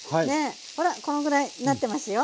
ほらこのぐらいなってますよ。